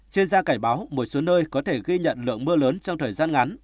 chuyên gia cảnh báo một số nơi có thể ghi nhận lượng mưa lớn trong thời gian ngắn